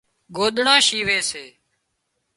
ڳوۮڙان شيوي سي